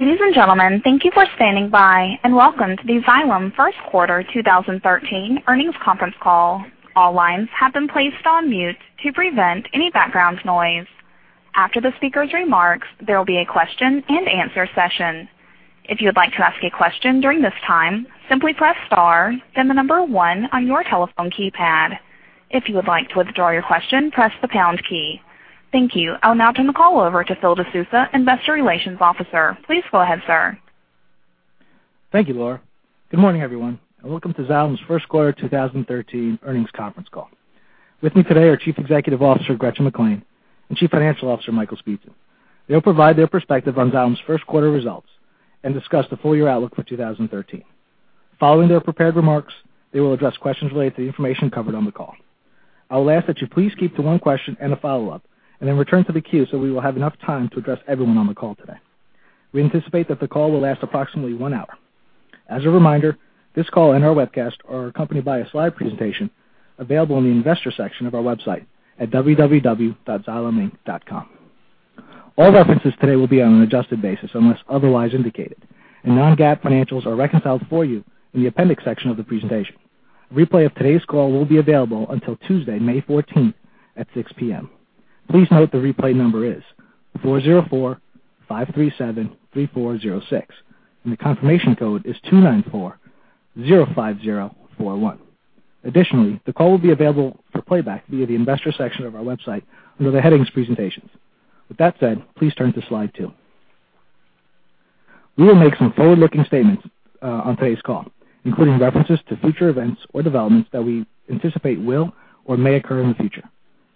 Ladies and gentlemen, thank you for standing by, welcome to the Xylem first quarter 2013 earnings conference call. All lines have been placed on mute to prevent any background noise. After the speaker's remarks, there will be a question and answer session. If you would like to ask a question during this time, simply press star, then the number 1 on your telephone keypad. If you would like to withdraw your question, press the pound key. Thank you. I will now turn the call over to Phil DeSousa, Investor Relations Officer. Please go ahead, sir. Thank you, Laura. Good morning, everyone, welcome to Xylem's first quarter 2013 earnings conference call. With me today are Chief Executive Officer, Gretchen McClain, and Chief Financial Officer, Michael Speetzen. They will provide their perspective on Xylem's first quarter results and discuss the full-year outlook for 2013. Following their prepared remarks, they will address questions related to the information covered on the call. I will ask that you please keep to one question and a follow-up, then return to the queue so we will have enough time to address everyone on the call today. We anticipate that the call will last approximately one hour. As a reminder, this call and our webcast are accompanied by a slide presentation available in the investor section of our website at www.xyleminc.com. All references today will be on an adjusted basis unless otherwise indicated. Non-GAAP financials are reconciled for you in the appendix section of the presentation. A replay of today's call will be available until Tuesday, May 14th at 6:00 P.M. Please note the replay number is 404-537-3406, and the confirmation code is 29405041. Additionally, the call will be available for playback via the investor section of our website under the headings presentations. With that said, please turn to slide two. We will make some forward-looking statements on today's call, including references to future events or developments that we anticipate will or may occur in the future.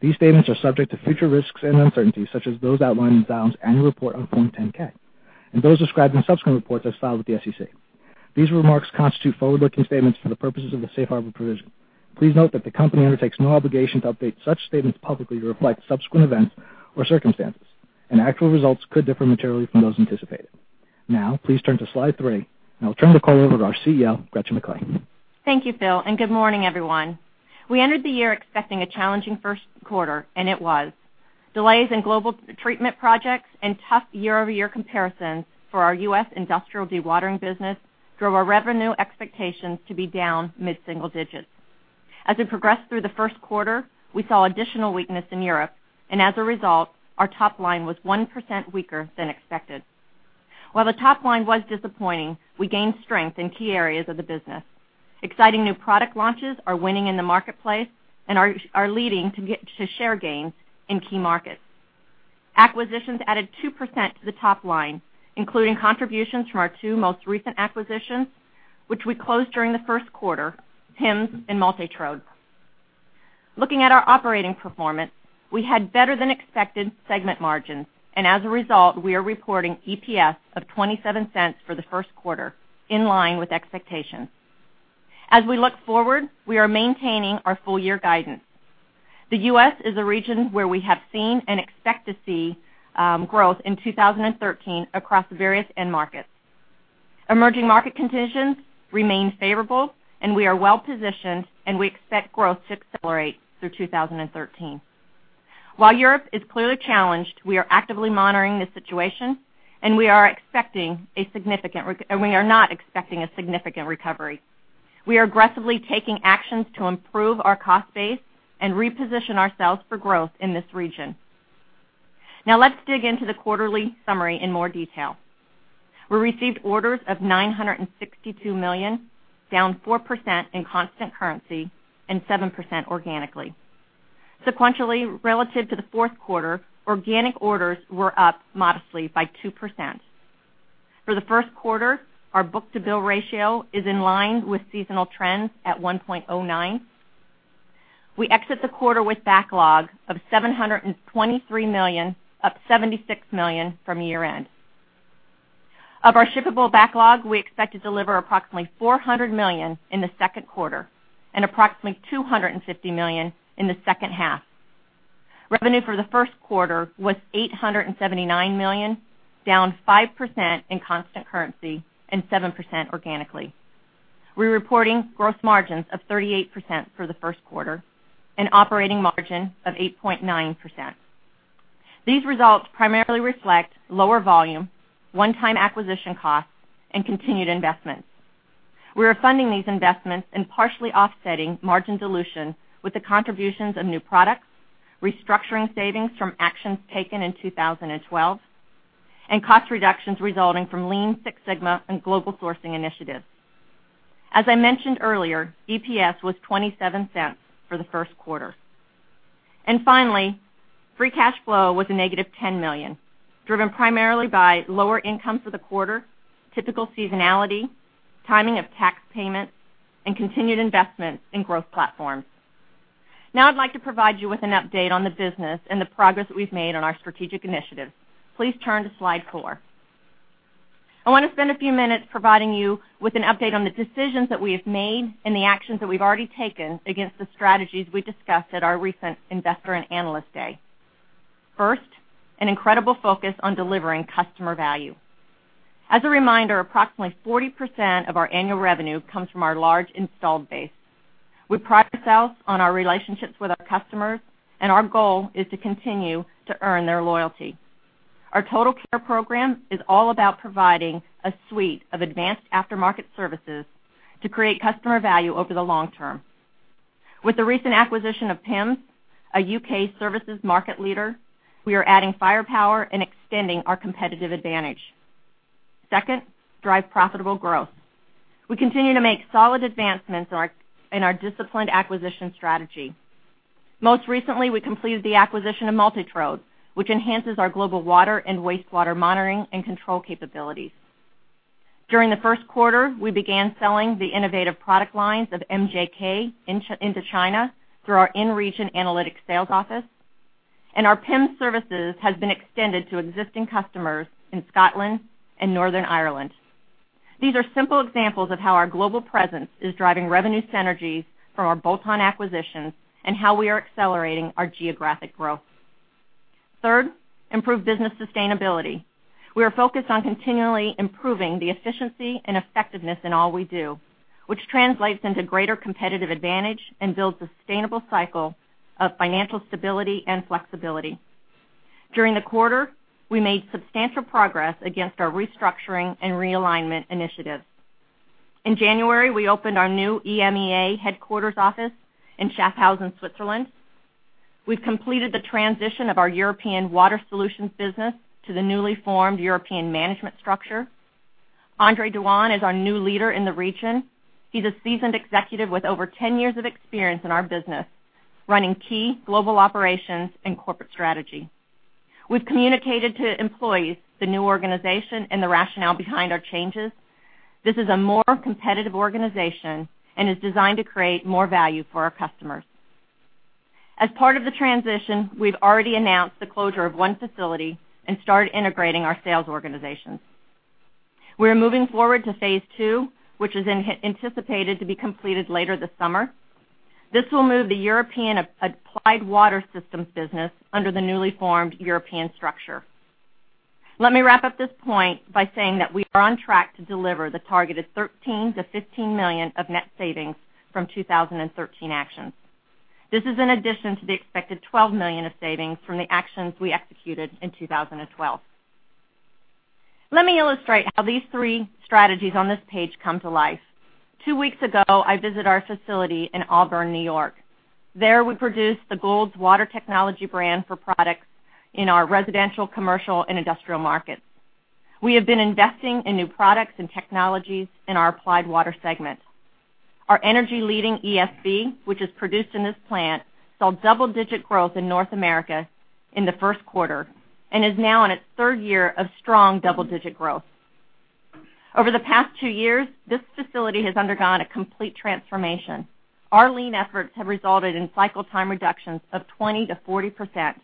These statements are subject to future risks and uncertainties, such as those outlined in Xylem's annual report on Form 10-K and those described in subsequent reports as filed with the SEC. These remarks constitute forward-looking statements for the purposes of the safe harbor provision. Please note that the company undertakes no obligation to update such statements publicly to reflect subsequent events or circumstances, actual results could differ materially from those anticipated. Now, please turn to slide three, and I will turn the call over to our CEO, Gretchen McClain. Thank you, Phil, and good morning, everyone. We entered the year expecting a challenging first quarter, and it was. Delays in global treatment projects and tough year-over-year comparisons for our U.S. industrial dewatering business drove our revenue expectations to be down mid-single digits. As we progressed through the first quarter, we saw additional weakness in Europe, and as a result, our top line was 1% weaker than expected. While the top line was disappointing, we gained strength in key areas of the business. Exciting new product launches are winning in the marketplace and are leading to share gains in key markets. Acquisitions added 2% to the top line, including contributions from our two most recent acquisitions, which we closed during the first quarter, PIMS and Multitrode. Looking at our operating performance, we had better than expected segment margins. As a result, we are reporting EPS of $0.27 for the first quarter, in line with expectations. As we look forward, we are maintaining our full year guidance. The U.S. is a region where we have seen and expect to see growth in 2013 across various end markets. Emerging market conditions remain favorable, and we are well-positioned. We expect growth to accelerate through 2013. While Europe is clearly challenged, we are actively monitoring the situation, and we are not expecting a significant recovery. We are aggressively taking actions to improve our cost base and reposition ourselves for growth in this region. Let's dig into the quarterly summary in more detail. We received orders of $962 million, down 4% in constant currency and 7% organically. Sequentially, relative to the fourth quarter, organic orders were up modestly by 2%. For the first quarter, our book-to-bill ratio is in line with seasonal trends at 1.09. We exit the quarter with backlog of $723 million, up $76 million from year-end. Of our shippable backlog, we expect to deliver approximately $400 million in the second quarter and approximately $250 million in the second half. Revenue for the first quarter was $879 million, down 5% in constant currency and 7% organically. We are reporting gross margins of 38% for the first quarter and operating margin of 8.9%. These results primarily reflect lower volume, one-time acquisition costs, and continued investments. We are funding these investments and partially offsetting margin dilution with the contributions of new products, restructuring savings from actions taken in 2012, and cost reductions resulting from Lean Six Sigma and global sourcing initiatives. As I mentioned earlier, EPS was $0.27 for the first quarter. Finally, free cash flow was a negative $10 million, driven primarily by lower income for the quarter, typical seasonality, timing of tax payments, and continued investments in growth platforms. I'd like to provide you with an update on the business and the progress that we've made on our strategic initiatives. Please turn to slide four. I want to spend a few minutes providing you with an update on the decisions that we have made and the actions that we've already taken against the strategies we discussed at our recent Investor and Analyst Day. First, an incredible focus on delivering customer value. As a reminder, approximately 40% of our annual revenue comes from our large installed base. We pride ourselves on our relationships with our customers, and our goal is to continue to earn their loyalty. Our Total Care program is all about providing a suite of advanced aftermarket services to create customer value over the long term. With the recent acquisition of PIMS, a U.K. services market leader, we are adding firepower and extending our competitive advantage. Second, drive profitable growth. We continue to make solid advancements in our disciplined acquisition strategy. Most recently, we completed the acquisition of Multitrode, which enhances our global water and wastewater monitoring and control capabilities. During the first quarter, we began selling the innovative product lines of MJK into China through our in-region analytics sales office, and our PIMS services has been extended to existing customers in Scotland and Northern Ireland. These are simple examples of how our global presence is driving revenue synergies from our bolt-on acquisitions and how we are accelerating our geographic growth. Third, improve business sustainability. We are focused on continually improving the efficiency and effectiveness in all we do, which translates into greater competitive advantage and builds a sustainable cycle of financial stability and flexibility. During the quarter, we made substantial progress against our restructuring and realignment initiatives. In January, we opened our new EMEA headquarters office in Schaffhausen, Switzerland. We completed the transition of our European Water Solutions business to the newly formed European management structure. André Dewas is our new leader in the region. He is a seasoned executive with over 10 years of experience in our business, running key global operations and corporate strategy. We have communicated to employees the new organization and the rationale behind our changes. This is a more competitive organization and is designed to create more value for our customers. As part of the transition, we have already announced the closure of one facility and started integrating our sales organizations. We are moving forward to phase 2, which is anticipated to be completed later this summer. This will move the European Applied Water Systems business under the newly formed European structure. Let me wrap up this point by saying that we are on track to deliver the targeted $13 million-$15 million of net savings from 2013 actions. This is in addition to the expected $12 million of savings from the actions we executed in 2012. Let me illustrate how these three strategies on this page come to life. Two weeks ago, I visited our facility in Auburn, N.Y. There, we produce the Goulds Water Technology brand for products in our residential, commercial, and industrial markets. We have been investing in new products and technologies in our Applied Water segment. Our energy-leading e-SV, which is produced in this plant, saw double-digit growth in North America in the first quarter and is now in its third year of strong double-digit growth. Over the past two years, this facility has undergone a complete transformation. Our Lean efforts have resulted in cycle time reductions of 20%-40%,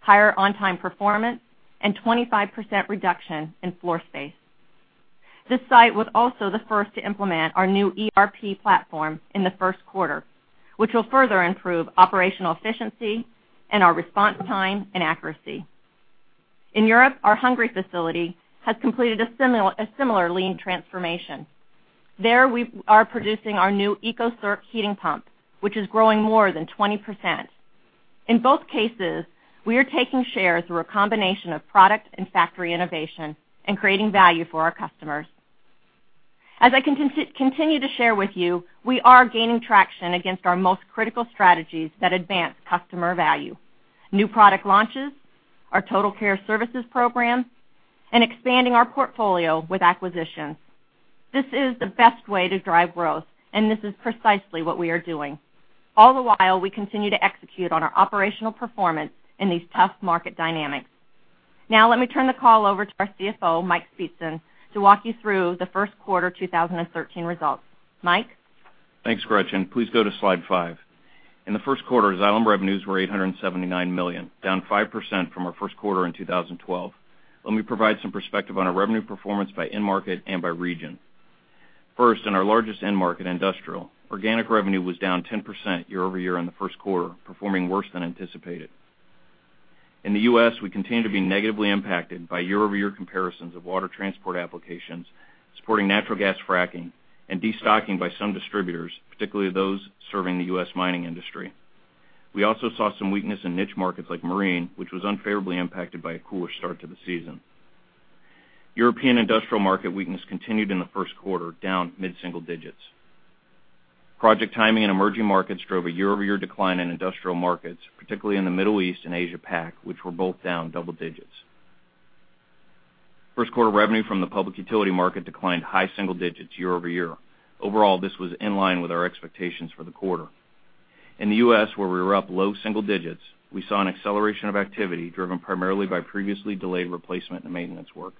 higher on-time performance, and 25% reduction in floor space. This site was also the first to implement our new ERP platform in the first quarter, which will further improve operational efficiency and our response time and accuracy. In Europe, our Hungary facility has completed a similar Lean transformation. There, we are producing our new ecocirc heating pump, which is growing more than 20%. In both cases, we are taking shares through a combination of product and factory innovation and creating value for our customers. As I continue to share with you, we are gaining traction against our most critical strategies that advance customer value. New product launches, our Total Care services program, and expanding our portfolio with acquisitions. This is the best way to drive growth, this is precisely what we are doing. All the while, we continue to execute on our operational performance in these tough market dynamics. Let me turn the call over to our CFO, Mike Speetzen, to walk you through the first quarter 2013 results. Mike? Thanks, Gretchen. Please go to slide five. In the first quarter, Xylem revenues were $879 million, down 5% from our first quarter in 2012. Let me provide some perspective on our revenue performance by end market and by region. First, in our largest end market, industrial, organic revenue was down 10% year-over-year in the first quarter, performing worse than anticipated. In the U.S., we continue to be negatively impacted by year-over-year comparisons of water transport applications supporting natural gas fracking and destocking by some distributors, particularly those serving the U.S. mining industry. We also saw some weakness in niche markets like marine, which was unfavorably impacted by a cooler start to the season. European industrial market weakness continued in the first quarter, down mid-single digits. Project timing in emerging markets drove a year-over-year decline in industrial markets, particularly in the Middle East and Asia-Pac, which were both down double digits. First quarter revenue from the public utility market declined high single digits year-over-year. Overall, this was in line with our expectations for the quarter. In the U.S., where we were up low single digits, we saw an acceleration of activity driven primarily by previously delayed replacement and maintenance work.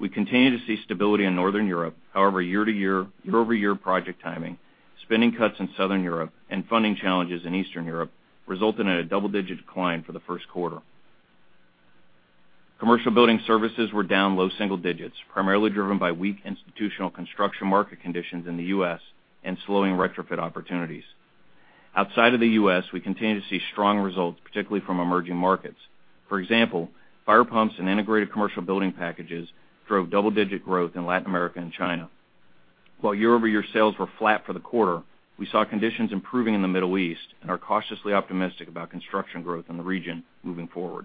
We continue to see stability in Northern Europe. However, year-over-year project timing, spending cuts in Southern Europe, and funding challenges in Eastern Europe resulted in a double-digit decline for the first quarter. Commercial building services were down low single digits, primarily driven by weak institutional construction market conditions in the U.S. and slowing retrofit opportunities. Outside of the U.S., we continue to see strong results, particularly from emerging markets. For example, fire pumps and integrated commercial building packages drove double-digit growth in Latin America and China. While year-over-year sales were flat for the quarter, we saw conditions improving in the Middle East and are cautiously optimistic about construction growth in the region moving forward.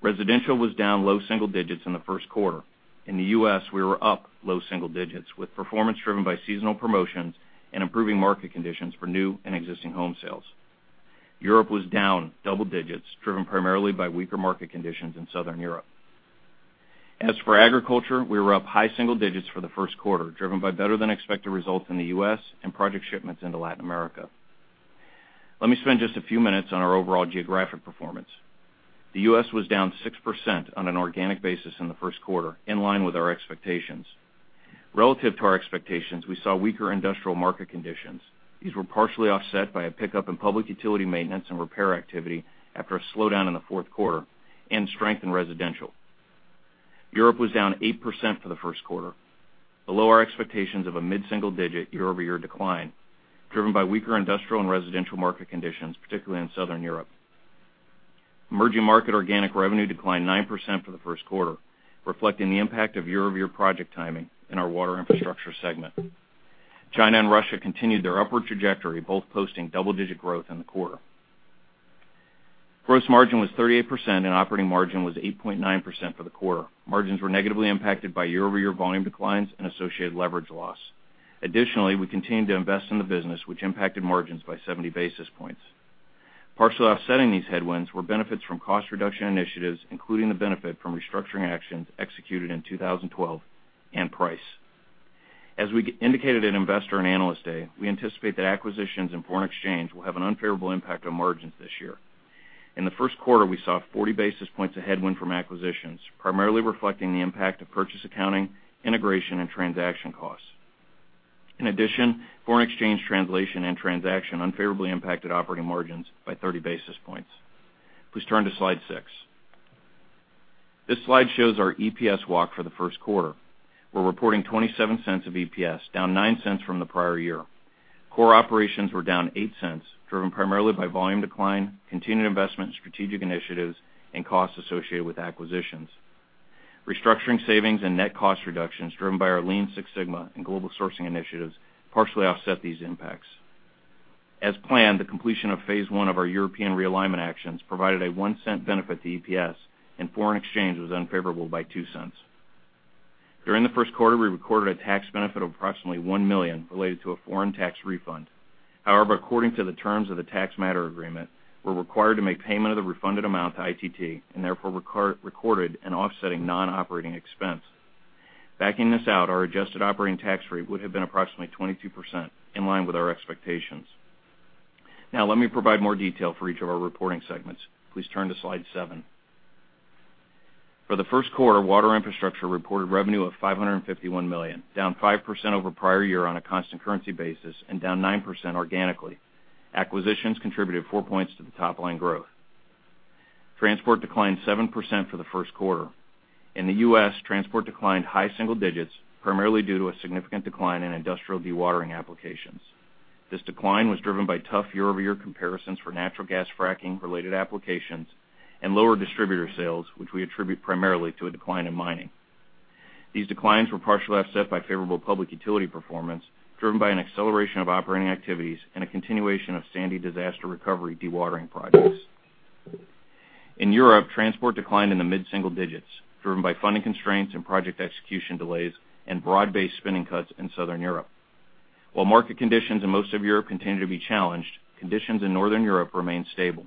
Residential was down low single digits in the first quarter. In the U.S., we were up low single digits, with performance driven by seasonal promotions and improving market conditions for new and existing home sales. Europe was down double digits, driven primarily by weaker market conditions in Southern Europe. As for agriculture, we were up high single digits for the first quarter, driven by better than expected results in the U.S. and project shipments into Latin America. Let me spend just a few minutes on our overall geographic performance. The U.S. was down 6% on an organic basis in the first quarter, in line with our expectations. Relative to our expectations, we saw weaker industrial market conditions. These were partially offset by a pickup in public utility maintenance and repair activity after a slowdown in the fourth quarter, and strength in residential. Europe was down 8% for the first quarter, below our expectations of a mid-single digit year-over-year decline, driven by weaker industrial and residential market conditions, particularly in Southern Europe. Emerging market organic revenue declined 9% for the first quarter, reflecting the impact of year-over-year project timing in our Water Infrastructure segment. China and Russia continued their upward trajectory, both posting double-digit growth in the quarter. Gross margin was 38% and operating margin was 8.9% for the quarter. Margins were negatively impacted by year-over-year volume declines and associated leverage loss. We continued to invest in the business, which impacted margins by 70 basis points. Partially offsetting these headwinds were benefits from cost reduction initiatives, including the benefit from restructuring actions executed in 2012 and price. As we indicated at Investor and Analyst Day, we anticipate that acquisitions and foreign exchange will have an unfavorable impact on margins this year. In the first quarter, we saw 40 basis points of headwind from acquisitions, primarily reflecting the impact of purchase accounting, integration, and transaction costs. In addition, foreign exchange translation and transaction unfavorably impacted operating margins by 30 basis points. Please turn to Slide six. This slide shows our EPS walk for the first quarter. We're reporting $0.27 of EPS, down $0.09 from the prior year. Core operations were down $0.08, driven primarily by volume decline, continued investment in strategic initiatives, and costs associated with acquisitions. Restructuring savings and net cost reductions, driven by our Lean Six Sigma and global sourcing initiatives partially offset these impacts. As planned, the completion of phase one of our European realignment actions provided a $0.01 benefit to EPS, and foreign exchange was unfavorable by $0.02. During the first quarter, we recorded a tax benefit of approximately $1 million related to a foreign tax refund. However, according to the terms of the Tax Matters Agreement, we're required to make payment of the refunded amount to ITT and therefore recorded an offsetting non-operating expense. Backing this out, our adjusted operating tax rate would have been approximately 22%, in line with our expectations. Let me provide more detail for each of our reporting segments. Please turn to Slide seven. For the first quarter, Water Infrastructure reported revenue of $551 million, down 5% over prior year on a constant currency basis and down 9% organically. Acquisitions contributed four points to the top-line growth. Transport declined 7% for the first quarter. In the U.S., transport declined high single digits, primarily due to a significant decline in industrial dewatering applications. This decline was driven by tough year-over-year comparisons for natural gas fracking related applications and lower distributor sales, which we attribute primarily to a decline in mining. These declines were partially offset by favorable public utility performance, driven by an acceleration of operating activities and a continuation of Superstorm Sandy disaster recovery dewatering projects. In Europe, transport declined in the mid-single digits, driven by funding constraints and project execution delays and broad-based spending cuts in Southern Europe. While market conditions in most of Europe continue to be challenged, conditions in Northern Europe remain stable.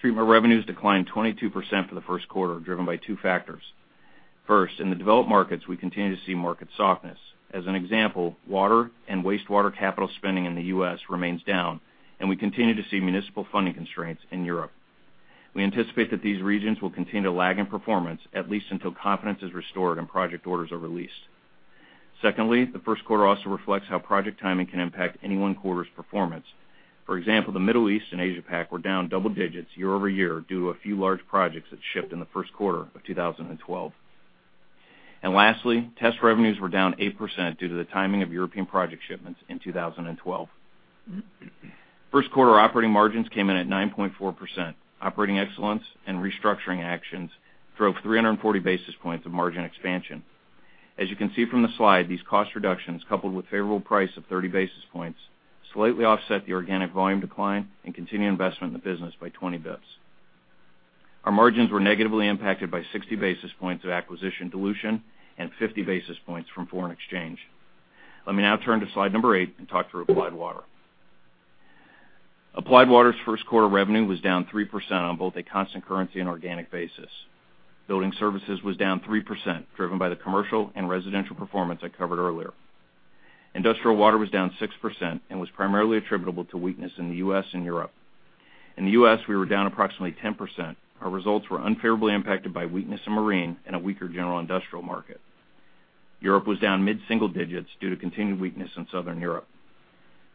Treatment revenues declined 22% for the first quarter, driven by two factors. First, in the developed markets, we continue to see market softness. As an example, water and wastewater capital spending in the U.S. remains down, and we continue to see municipal funding constraints in Europe. We anticipate that these regions will continue to lag in performance, at least until confidence is restored and project orders are released. Secondly, the first quarter also reflects how project timing can impact any one quarter's performance. For example, the Middle East and Asia PAC were down double digits year-over-year due to a few large projects that shipped in the first quarter of 2012. Lastly, test revenues were down 8% due to the timing of European project shipments in 2012. First quarter operating margins came in at 9.4%. Operating excellence and restructuring actions drove 340 basis points of margin expansion. As you can see from the slide, these cost reductions, coupled with favorable price of 30 basis points, slightly offset the organic volume decline and continued investment in the business by 20 basis points. Our margins were negatively impacted by 60 basis points of acquisition dilution and 50 basis points from foreign exchange. Let me now turn to slide number eight and talk through Applied Water. Applied Water's first quarter revenue was down 3% on both a constant currency and organic basis. Building services was down 3%, driven by the commercial and residential performance I covered earlier. Industrial water was down 6% and was primarily attributable to weakness in the U.S. and Europe. In the U.S., we were down approximately 10%. Our results were unfavorably impacted by weakness in marine and a weaker general industrial market. Europe was down mid-single digits due to continued weakness in Southern Europe.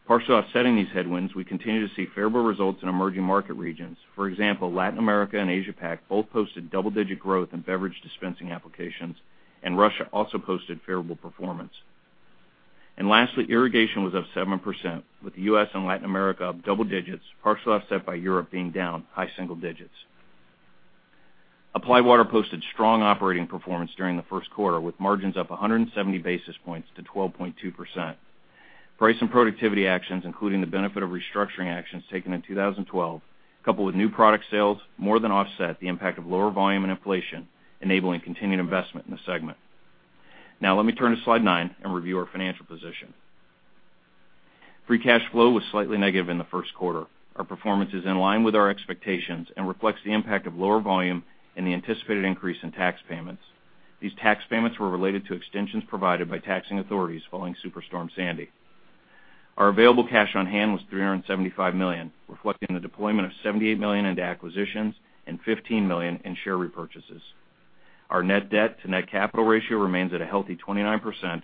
Partially offsetting these headwinds, we continue to see favorable results in emerging market regions. For example, Latin America and Asia PAC both posted double-digit growth in beverage dispensing applications, and Russia also posted favorable performance. Lastly, irrigation was up 7%, with the U.S. and Latin America up double digits, partially offset by Europe being down high single digits. Applied Water posted strong operating performance during the first quarter, with margins up 170 basis points to 12.2%. Price and productivity actions, including the benefit of restructuring actions taken in 2012, coupled with new product sales, more than offset the impact of lower volume and inflation, enabling continued investment in the segment. Now let me turn to slide nine and review our financial position. Free cash flow was slightly negative in the first quarter. Our performance is in line with our expectations and reflects the impact of lower volume and the anticipated increase in tax payments. These tax payments were related to extensions provided by taxing authorities following Superstorm Sandy. Our available cash on hand was $375 million, reflecting the deployment of $78 million into acquisitions and $15 million in share repurchases. Our net debt to net capital ratio remains at a healthy 29%,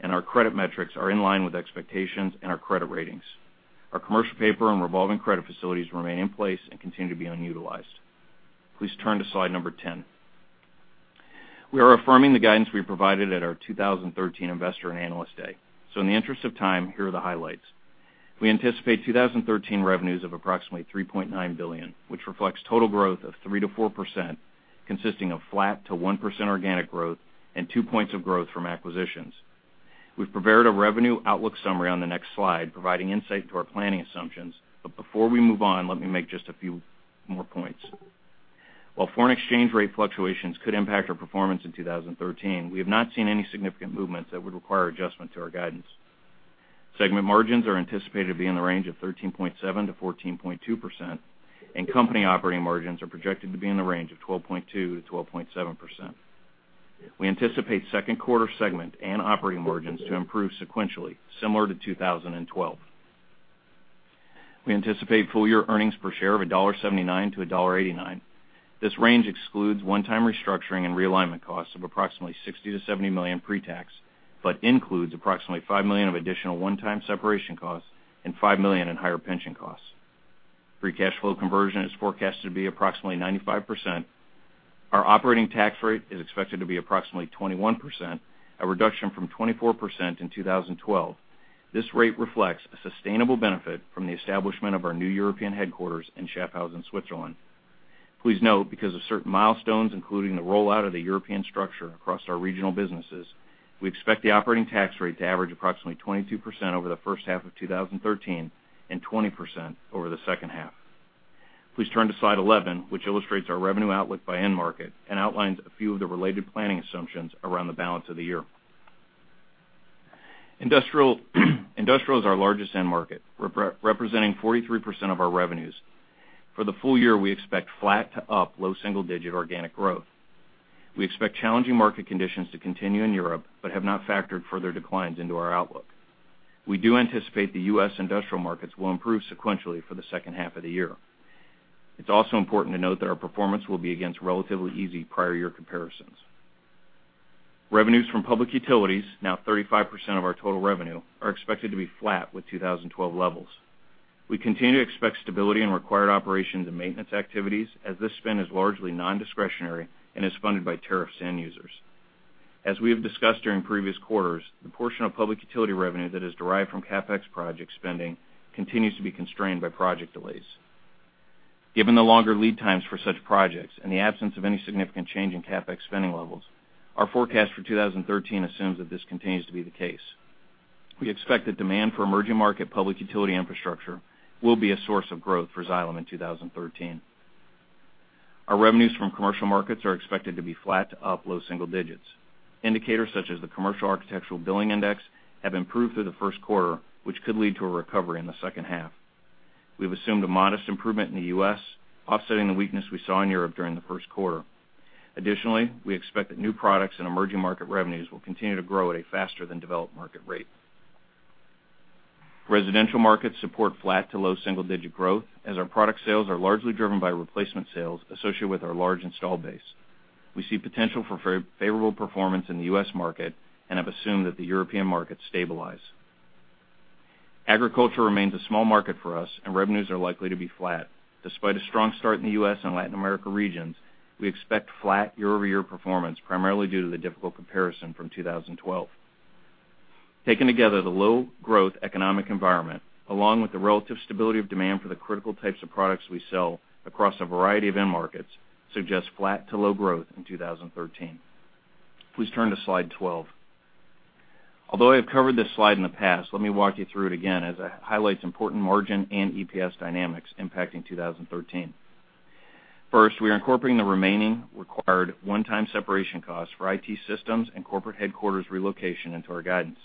and our credit metrics are in line with expectations and our credit ratings. Our commercial paper and revolving credit facilities remain in place and continue to be unutilized. Please turn to slide 10. We are affirming the guidance we provided at our 2013 Investor and Analyst Day. In the interest of time, here are the highlights. We anticipate 2013 revenues of approximately $3.9 billion, which reflects total growth of 3%-4%, consisting of flat to 1% organic growth and 2 points of growth from acquisitions. We've prepared a revenue outlook summary on the next slide, providing insight to our planning assumptions. Before we move on, let me make just a few more points. While foreign exchange rate fluctuations could impact our performance in 2013, we have not seen any significant movements that would require adjustment to our guidance. Segment margins are anticipated to be in the range of 13.7%-14.2%, and company operating margins are projected to be in the range of 12.2%-12.7%. We anticipate second quarter segment and operating margins to improve sequentially, similar to 2012. We anticipate full-year earnings per share of $1.79-$1.89. This range excludes one-time restructuring and realignment costs of approximately $60 million-$70 million pre-tax, but includes approximately $5 million of additional one-time separation costs and $5 million in higher pension costs. Free cash flow conversion is forecasted to be approximately 95%. Our operating tax rate is expected to be approximately 21%, a reduction from 24% in 2012. This rate reflects a sustainable benefit from the establishment of our new European headquarters in Schaffhausen, Switzerland. Please note, because of certain milestones, including the rollout of the European structure across our regional businesses, we expect the operating tax rate to average approximately 22% over the first half of 2013 and 20% over the second half. Please turn to slide 11, which illustrates our revenue outlook by end market and outlines a few of the related planning assumptions around the balance of the year. Industrial is our largest end market, representing 43% of our revenues. For the full year, we expect flat to up low single-digit organic growth. We expect challenging market conditions to continue in Europe but have not factored further declines into our outlook. We do anticipate the U.S. industrial markets will improve sequentially for the second half of the year. It's also important to note that our performance will be against relatively easy prior year comparisons. Revenues from public utilities, now 35% of our total revenue, are expected to be flat with 2012 levels. We continue to expect stability in required operations and maintenance activities, as this spend is largely non-discretionary and is funded by tariffs to end users. As we have discussed during previous quarters, the portion of public utility revenue that is derived from CapEx project spending continues to be constrained by project delays. Given the longer lead times for such projects and the absence of any significant change in CapEx spending levels, our forecast for 2013 assumes that this continues to be the case. We expect that demand for emerging market public utility infrastructure will be a source of growth for Xylem in 2013. Our revenues from commercial markets are expected to be flat to up low single digits. Indicators such as the Commercial Architecture Billings Index have improved through the first quarter, which could lead to a recovery in the second half. We've assumed a modest improvement in the U.S., offsetting the weakness we saw in Europe during the first quarter. Additionally, we expect that new products and emerging market revenues will continue to grow at a faster than developed market rate. Residential markets support flat to low single-digit growth, as our product sales are largely driven by replacement sales associated with our large installed base. We see potential for favorable performance in the U.S. market and have assumed that the European market stabilize. Agriculture remains a small market for us, and revenues are likely to be flat. Despite a strong start in the U.S. and Latin America regions, we expect flat year-over-year performance, primarily due to the difficult comparison from 2012. Taken together, the low growth economic environment, along with the relative stability of demand for the critical types of products we sell across a variety of end markets, suggests flat to low growth in 2013. Please turn to slide 12. Although I have covered this slide in the past, let me walk you through it again as it highlights important margin and EPS dynamics impacting 2013. We are incorporating the remaining required one-time separation costs for IT systems and corporate headquarters relocation into our guidance.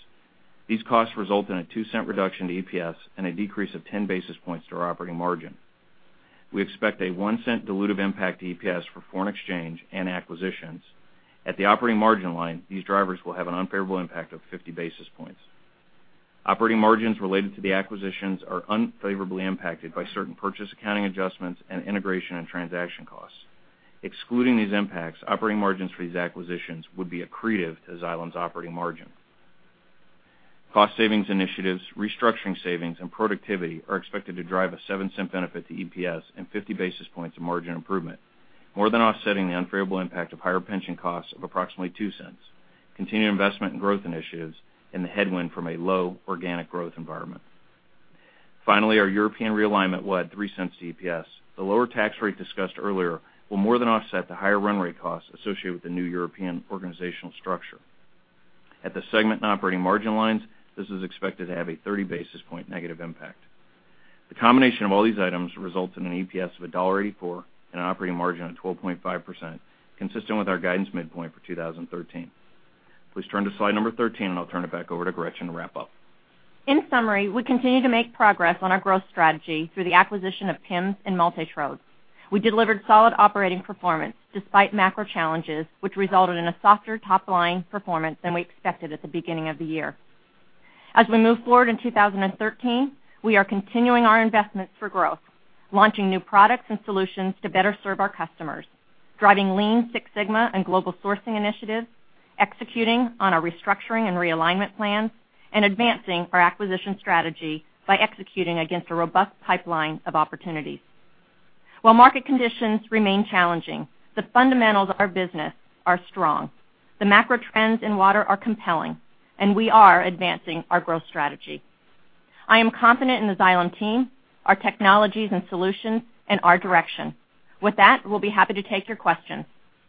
These costs result in a $0.02 reduction to EPS and a decrease of 10 basis points to our operating margin. We expect a $0.01 dilutive impact to EPS for foreign exchange and acquisitions. At the operating margin line, these drivers will have an unfavorable impact of 50 basis points. Operating margins related to the acquisitions are unfavorably impacted by certain purchase accounting adjustments and integration and transaction costs. Excluding these impacts, operating margins for these acquisitions would be accretive to Xylem's operating margin. Cost savings initiatives, restructuring savings, and productivity are expected to drive a $0.07 benefit to EPS and 50 basis points of margin improvement. More than offsetting the unfavorable impact of higher pension costs of approximately $0.02, continued investment in growth initiatives, and the headwind from a low organic growth environment. Our European realignment led $0.03 to EPS. The lower tax rate discussed earlier will more than offset the higher run rate costs associated with the new European organizational structure. At the segment and operating margin lines, this is expected to have a 30 basis point negative impact. The combination of all these items results in an EPS of $1.84 and an operating margin of 12.5%, consistent with our guidance midpoint for 2013. Please turn to slide 13, and I'll turn it back over to Gretchen to wrap up. We continue to make progress on our growth strategy through the acquisition of PIMS and Multitrode. We delivered solid operating performance despite macro challenges, which resulted in a softer top-line performance than we expected at the beginning of the year. As we move forward in 2013, we are continuing our investments for growth, launching new products and solutions to better serve our customers, driving Lean Six Sigma and global sourcing initiatives, executing on our restructuring and realignment plans, and advancing our acquisition strategy by executing against a robust pipeline of opportunities. While market conditions remain challenging, the fundamentals of our business are strong. The macro trends in water are compelling, and we are advancing our growth strategy. I am confident in the Xylem team, our technologies and solutions, and our direction. With that, we'll be happy to take your questions.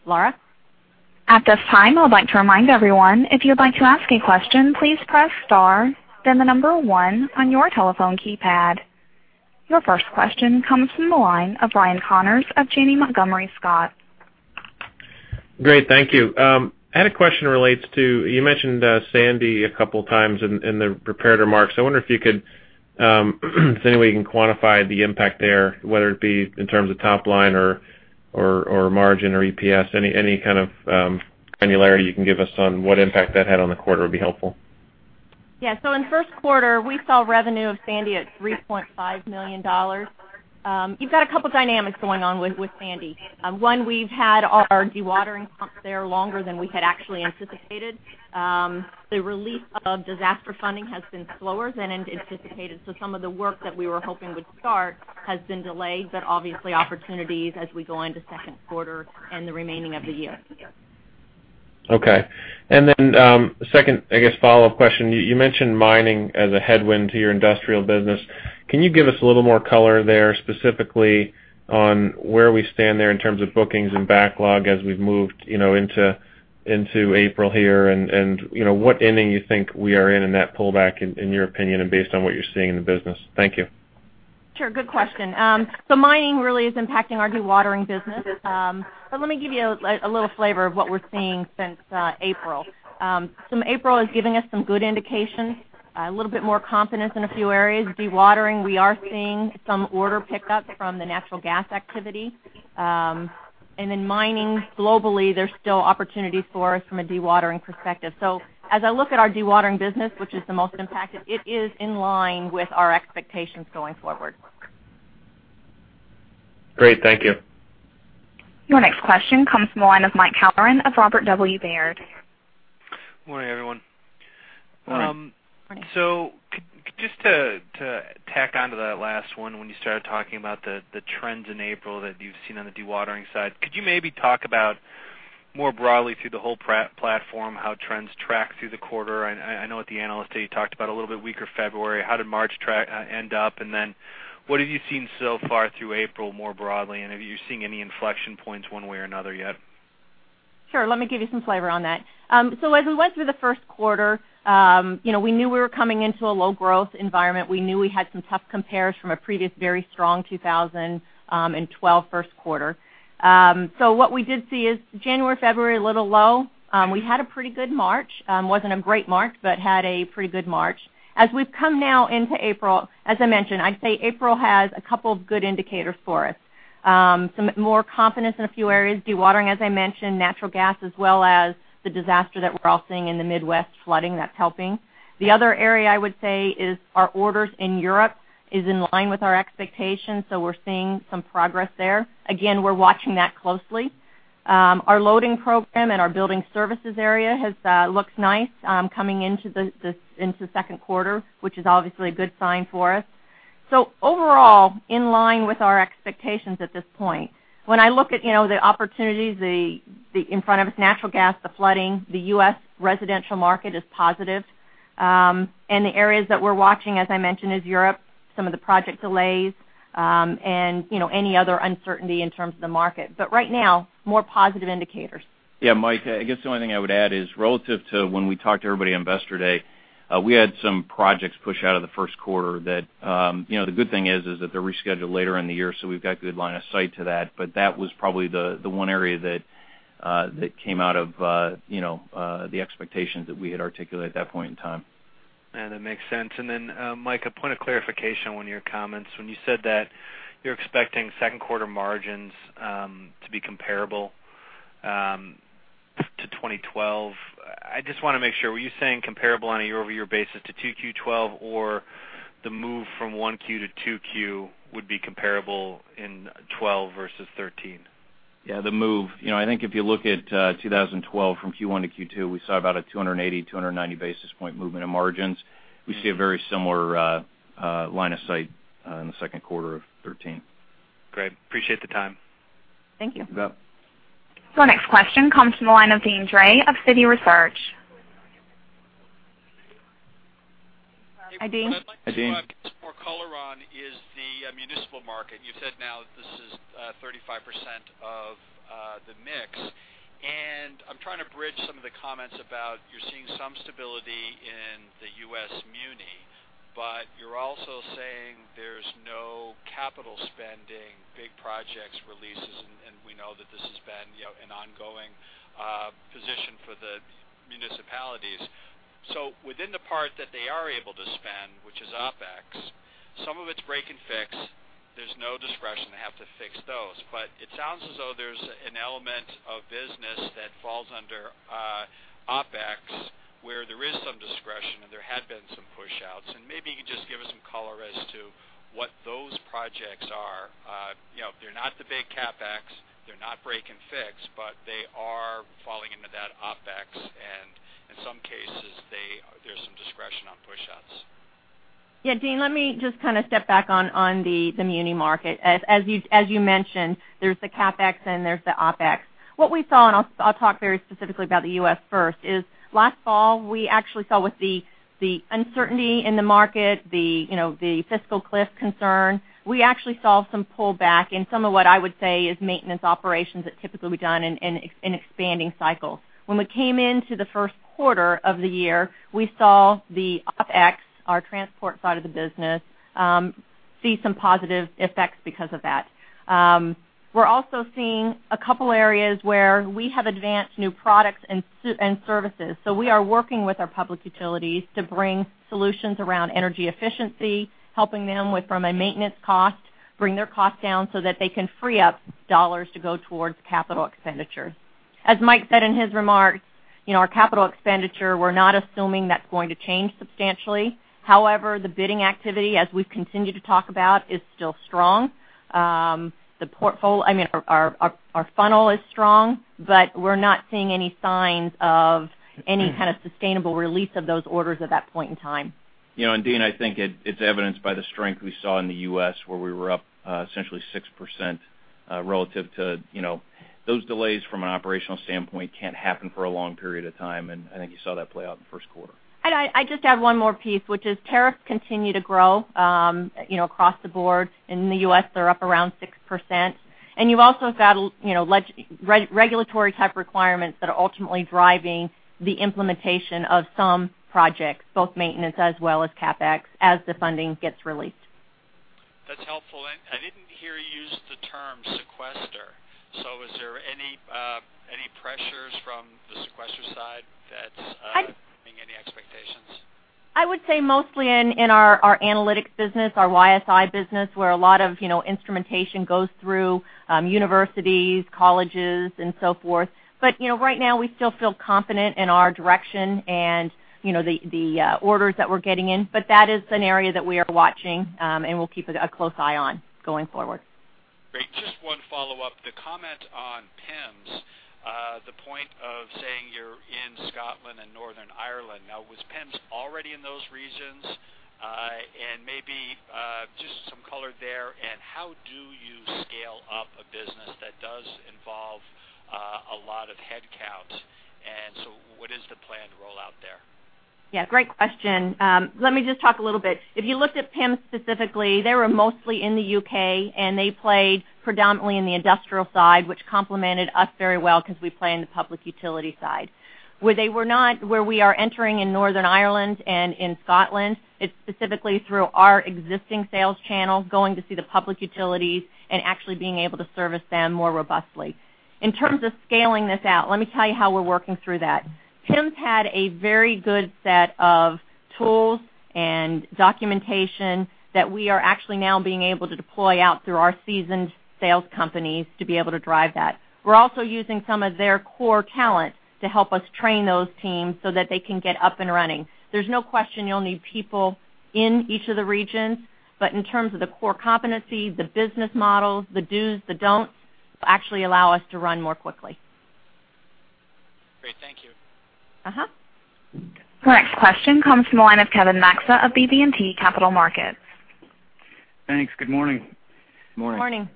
Laura? At this time, I would like to remind everyone, if you'd like to ask a question, please press star, then the number one on your telephone keypad. Your first question comes from the line of Ryan Connors of Janney Montgomery Scott. Great, thank you. I had a question relates to, you mentioned Sandy a couple of times in the prepared remarks. I wonder if there's any way you can quantify the impact there, whether it be in terms of top line or margin or EPS. Any kind of granularity you can give us on what impact that had on the quarter would be helpful. In the first quarter, we saw revenue of Sandy at $3.5 million. You've got a couple of dynamics going on with Sandy. One, we've had our dewatering pumps there longer than we had actually anticipated. The release of disaster funding has been slower than anticipated, so some of the work that we were hoping would start has been delayed, but obviously opportunities as we go into second quarter and the remaining of the year. Okay. Second, I guess follow-up question, you mentioned mining as a headwind to your industrial business. Can you give us a little more color there, specifically on where we stand there in terms of bookings and backlog as we've moved into April here and what inning you think we are in that pullback, in your opinion, and based on what you're seeing in the business? Thank you. Sure. Good question. Mining really is impacting our dewatering business. Let me give you a little flavor of what we're seeing since April. April is giving us some good indications, a little bit more confidence in a few areas. Dewatering, we are seeing some order pickup from the natural gas activity. In mining, globally, there's still opportunity for us from a dewatering perspective. As I look at our dewatering business, which is the most impacted, it is in line with our expectations going forward. Great. Thank you. Your next question comes from the line of Mike Halloran of Robert W. Baird. Morning, everyone. Morning. Morning. Just to tack onto that last one, when you started talking about the trends in April that you've seen on the dewatering side, could you maybe talk about more broadly through the whole platform how trends track through the quarter? I know at the Analyst Day you talked about a little bit weaker February. How did March end up, and then what have you seen so far through April more broadly, and have you seen any inflection points one way or another yet? Sure. Let me give you some flavor on that. As we went through the first quarter, we knew we were coming into a low growth environment. We knew we had some tough compares from a previous very strong 2012 first quarter. What we did see is January, February, a little low. We had a pretty good March. Wasn't a great March, but had a pretty good March. As we've come now into April, as I mentioned, I'd say April has a couple of good indicators for us. Some more confidence in a few areas. Dewatering, as I mentioned, natural gas, as well as the disaster that we're all seeing in the Midwest flooding, that's helping. The other area I would say is our orders in Europe is in line with our expectations, so we're seeing some progress there. Again, we're watching that closely. Our loading program and our building services area looks nice coming into the second quarter, which is obviously a good sign for us. Overall, in line with our expectations at this point. When I look at the opportunities in front of us, natural gas, the flooding, the U.S. residential market is positive. The areas that we're watching, as I mentioned, is Europe, some of the project delays, and any other uncertainty in terms of the market. Right now, more positive indicators. Yeah, Mike, I guess the only thing I would add is relative to when we talked to everybody on Investor Day, we had some projects push out of the first quarter that the good thing is that they're rescheduled later in the year, so we've got good line of sight to that. That was probably the one area that came out of the expectations that we had articulated at that point in time. That makes sense. Then Mike, a point of clarification on one of your comments. When you said that you're expecting second quarter margins to be comparable to 2012, I just want to make sure, were you saying comparable on a year-over-year basis to 2Q 2012, or the move from 1Q to 2Q would be comparable in 2012 versus 2013? Yeah, the move. I think if you look at 2012 from Q1 to Q2, we saw about a 280, 290 basis point movement in margins. We see a very similar line of sight in the second quarter of 2013. Great. Appreciate the time. Thank you. You bet. Our next question comes from the line of Deane Dray of Citi Research. Hey, what I'd like to get some more color on is the municipal market. You've said now that this is 35% of the mix, and I'm trying to bridge some of the comments about you're seeing some stability in the U.S. muni, but you're also saying there's no capital spending, big projects, releases, and we know that this has been an ongoing position for the municipalities. Within the part that they are able to spend, which is OpEx, some of it's break and fix. There's no discretion. They have to fix those. It sounds as though there's an element of business that falls under OpEx, where there is some discretion, and there had been some push-outs, and maybe you could just give us some color as to what those projects are. They're not the big CapEx, they're not break and fix, but they are falling into that OpEx, and in some cases, there's some discretion on push-outs. Deane, let me just kind of step back on the muni market. As you mentioned, there's the CapEx and there's the OpEx. What we saw, and I'll talk very specifically about the U.S. first, is last fall, we actually saw with the uncertainty in the market, the fiscal cliff concern. We actually saw some pullback in some of what I would say is maintenance operations that typically would be done in expanding cycles. When we came into the first quarter of the year, we saw the OpEx, our transport side of the business, see some positive effects because of that. We're also seeing a couple areas where we have advanced new products and services. We are working with our public utilities to bring solutions around energy efficiency, helping them with, from a maintenance cost, bring their cost down so that they can free up dollars to go towards capital expenditure. As Mike said in his remarks, our capital expenditure, we're not assuming that's going to change substantially. The bidding activity, as we've continued to talk about, is still strong. Our funnel is strong, we're not seeing any signs of any kind of sustainable release of those orders at that point in time. Deane, I think it's evidenced by the strength we saw in the U.S., where we were up essentially 6% relative to. Those delays from an operational standpoint can't happen for a long period of time, and I think you saw that play out in the first quarter. I just add one more piece, which is tariffs continue to grow across the board. In the U.S., they're up around 6%. You've also got regulatory type requirements that are ultimately driving the implementation of some projects, both maintenance as well as CapEx, as the funding gets released. That's helpful. I didn't hear you use the term sequester. Is there any pressures from the sequester side that's affecting any expectations? I would say mostly in our analytics business, our YSI business, where a lot of instrumentation goes through universities, colleges, and so forth. Right now, we still feel confident in our direction and the orders that we're getting in. That is an area that we are watching, and we'll keep a close eye on going forward. Great. Just one follow-up. The comment on PIMS, the point of saying you're in Scotland and Northern Ireland. Was PIMS already in those regions? Maybe just some color there, and how do you scale up a business that does involve a lot of headcounts? What is the planned rollout there? Great question. Let me just talk a little bit. If you looked at PIMS specifically, they were mostly in the U.K., and they played predominantly in the industrial side, which complemented us very well because we play in the public utility side. Where we are entering in Northern Ireland and in Scotland, it's specifically through our existing sales channel, going to see the public utilities and actually being able to service them more robustly. In terms of scaling this out, let me tell you how we're working through that. PIMS had a very good set of tools and documentation that we are actually now being able to deploy out through our seasoned sales companies to be able to drive that. We're also using some of their core talent to help us train those teams so that they can get up and running. There's no question you'll need people in each of the regions, but in terms of the core competencies, the business models, the dos, the don'ts, will actually allow us to run more quickly. Great. Thank you. The next question comes from the line of Kevin Maczka of BB&T Capital Markets. Thanks. Good morning. Morning. Morning.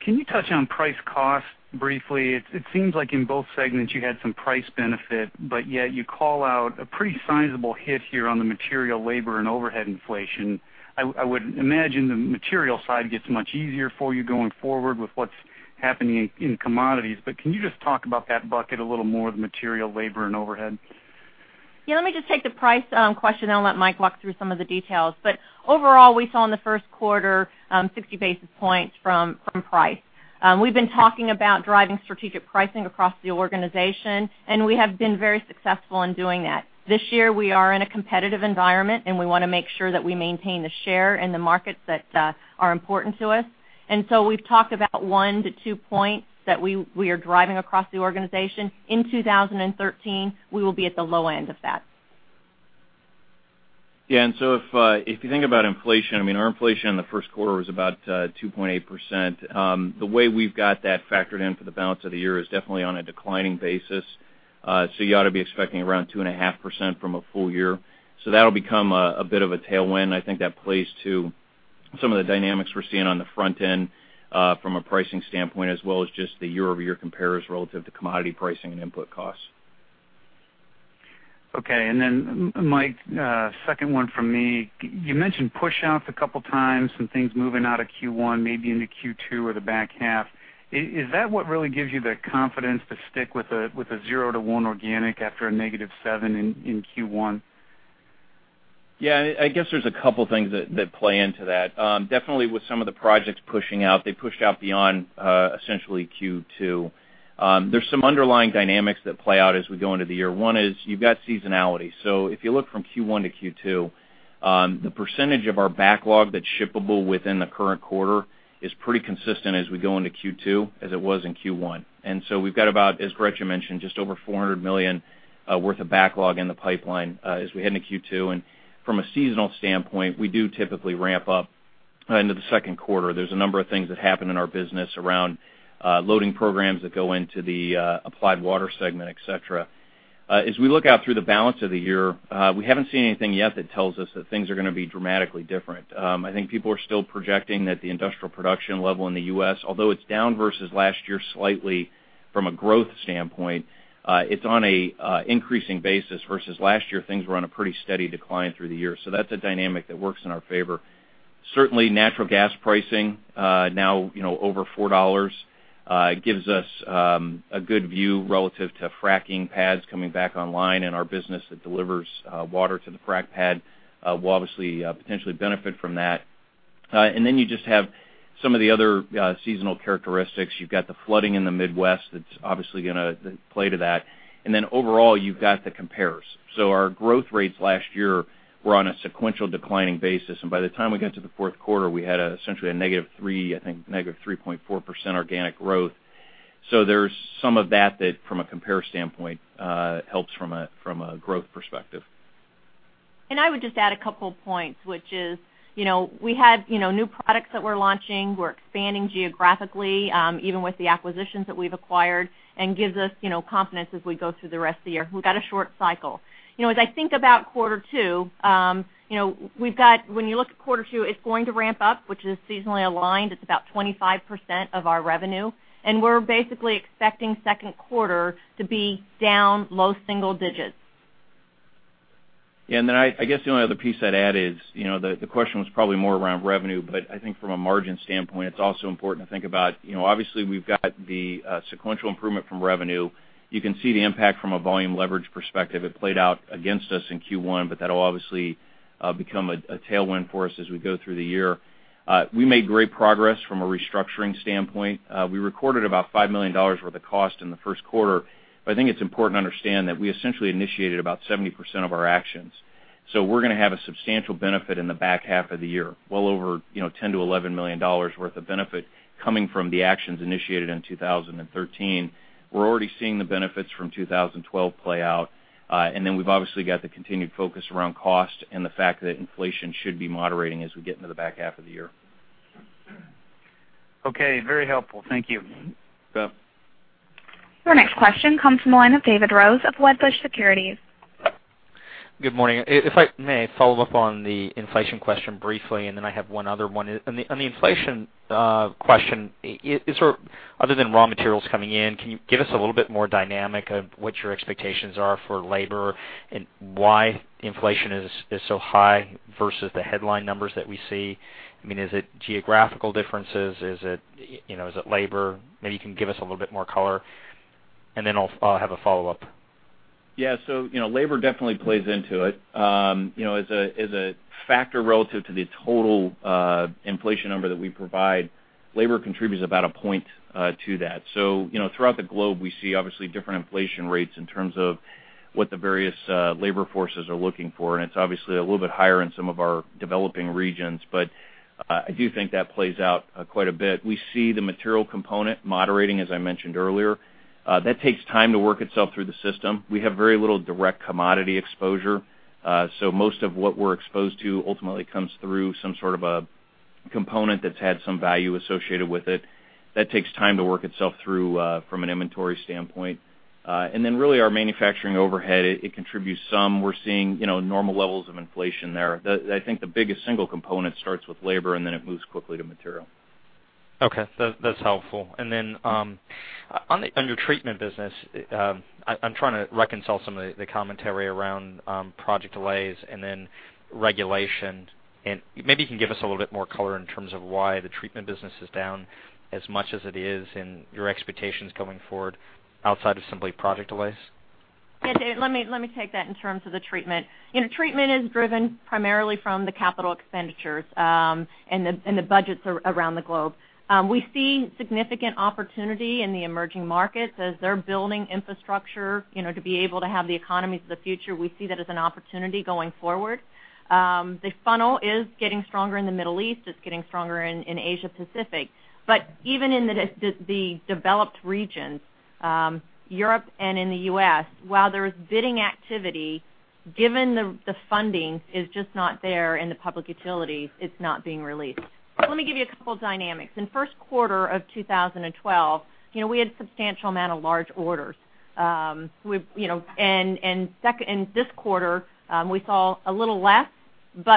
Can you touch on price cost briefly? It seems like in both segments, you had some price benefit, yet you call out a pretty sizable hit here on the material labor and overhead inflation. I would imagine the material side gets much easier for you going forward with what's happening in commodities. Can you just talk about that bucket a little more, the material labor and overhead? Yeah, let me just take the price question, then I'll let Mike walk through some of the details. Overall, we saw in the first quarter, 60 basis points from price. We've been talking about driving strategic pricing across the organization, and we have been very successful in doing that. This year, we are in a competitive environment, and we want to make sure that we maintain the share in the markets that are important to us. We've talked about one to two points that we are driving across the organization. In 2013, we will be at the low end of that. Yeah, if you think about inflation, our inflation in the first quarter was about 2.8%. The way we've got that factored in for the balance of the year is definitely on a declining basis. You ought to be expecting around 2.5% from a full year. That'll become a bit of a tailwind, and I think that plays to some of the dynamics we're seeing on the front end from a pricing standpoint, as well as just the year-over-year compares relative to commodity pricing and input costs. Okay. Mike, second one from me. You mentioned pushouts a couple of times, some things moving out of Q1, maybe into Q2 or the back half. Is that what really gives you the confidence to stick with a zero to one organic after a negative seven in Q1? I guess there's a couple things that play into that. Definitely with some of the projects pushing out, they pushed out beyond essentially Q2. There's some underlying dynamics that play out as we go into the year. One is you've got seasonality. If you look from Q1 to Q2, the percentage of our backlog that's shippable within the current quarter is pretty consistent as we go into Q2, as it was in Q1. We've got about, as Gretchen mentioned, just over $400 million worth of backlog in the pipeline as we head into Q2. From a seasonal standpoint, we do typically ramp up into the second quarter. There's a number of things that happen in our business around loading programs that go into the Applied Water segment, et cetera. As we look out through the balance of the year, we haven't seen anything yet that tells us that things are going to be dramatically different. I think people are still projecting that the industrial production level in the U.S., although it's down versus last year slightly from a growth standpoint, it's on a increasing basis. Versus last year, things were on a pretty steady decline through the year. That's a dynamic that works in our favor. Certainly, natural gas pricing, now over $4, gives us a good view relative to fracking pads coming back online, and our business that delivers water to the frack pad will obviously potentially benefit from that. You just have some of the other seasonal characteristics. You've got the flooding in the Midwest that's obviously going to play to that. Overall, you've got the compares. Our growth rates last year were on a sequential declining basis, and by the time we got to the fourth quarter, we had essentially a negative 3, I think -3.4% organic growth. There's some of that that from a compare standpoint helps from a growth perspective. I would just add a couple points, which is we had new products that we're launching. We're expanding geographically, even with the acquisitions that we've acquired and gives us confidence as we go through the rest of the year. We've got a short cycle. As I think about quarter two, when you look at quarter two, it's going to ramp up, which is seasonally aligned. It's about 25% of our revenue, and we're basically expecting second quarter to be down low single digits. I guess the only other piece I'd add is, the question was probably more around revenue, but I think from a margin standpoint, it's also important to think about, obviously we've got the sequential improvement from revenue. You can see the impact from a volume leverage perspective. It played out against us in Q1, but that'll obviously become a tailwind for us as we go through the year. We made great progress from a restructuring standpoint. We recorded about $5 million worth of cost in the first quarter, but I think it's important to understand that we essentially initiated about 70% of our actions. We're going to have a substantial benefit in the back half of the year, well over $10 million-$11 million worth of benefit coming from the actions initiated in 2013. We're already seeing the benefits from 2012 play out. We've obviously got the continued focus around cost and the fact that inflation should be moderating as we get into the back half of the year. Very helpful. Thank you. Yep. Your next question comes from the line of David Rose of Wedbush Securities. Good morning. If I may follow up on the inflation question briefly, and then I have one other one. On the inflation question, other than raw materials coming in, can you give us a little bit more dynamic of what your expectations are for labor and why inflation is so high versus the headline numbers that we see? Is it geographical differences? Is it labor? Maybe you can give us a little bit more color, and then I'll have a follow-up. Yeah. Labor definitely plays into it. As a factor relative to the total inflation number that we provide, labor contributes about a point to that. Throughout the globe, we see obviously different inflation rates in terms of what the various labor forces are looking for, and it's obviously a little bit higher in some of our developing regions. I do think that plays out quite a bit. We see the material component moderating, as I mentioned earlier. That takes time to work itself through the system. We have very little direct commodity exposure. Most of what we're exposed to ultimately comes through some sort of a component that's had some value associated with it. That takes time to work itself through from an inventory standpoint. Really our manufacturing overhead, it contributes some. We're seeing normal levels of inflation there. I think the biggest single component starts with labor, and then it moves quickly to material. Okay. That's helpful. On your treatment business, I'm trying to reconcile some of the commentary around project delays and then regulation. Maybe you can give us a little bit more color in terms of why the treatment business is down as much as it is and your expectations going forward outside of simply project delays. David, let me take that in terms of the treatment. Treatment is driven primarily from the capital expenditures and the budgets around the globe. We see significant opportunity in the emerging markets as they're building infrastructure to be able to have the economies of the future. We see that as an opportunity going forward. The funnel is getting stronger in the Middle East. It's getting stronger in Asia Pacific. Even in the developed regions, Europe and in the U.S., while there is bidding activity, given the funding is just not there in the public utilities, it's not being released. Let me give you two dynamics. In first quarter of 2012, we had a substantial amount of large orders. In this quarter, we saw a little less.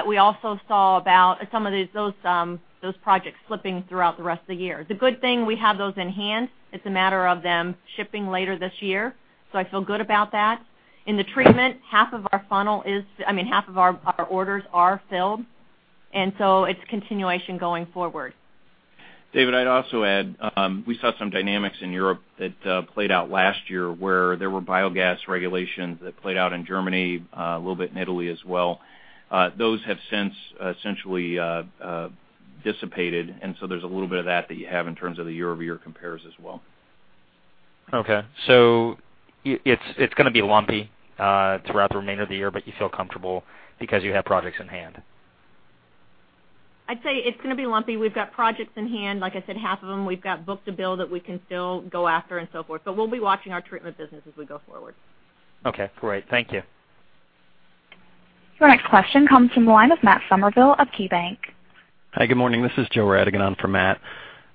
We also saw about some of those projects slipping throughout the rest of the year. The good thing, we have those in hand. It's a matter of them shipping later this year, so I feel good about that. In the treatment, half of our orders are filled, and so it's continuation going forward. David, I'd also add, we saw some dynamics in Europe that played out last year where there were biogas regulations that played out in Germany, a little bit in Italy as well. Those have since essentially dissipated, and so there's a little bit of that you have in terms of the year-over-year compares as well. Okay. It's going to be lumpy throughout the remainder of the year, but you feel comfortable because you have projects in hand. I'd say it's going to be lumpy. We've got projects in hand. Like I said, half of them we've got book-to-bill that we can still go after and so forth. We'll be watching our treatment business as we go forward. Okay, great. Thank you. Your next question comes from the line of Matt Summerville of KeyBanc. Hi, good morning. This is Joe Radigan on for Matt.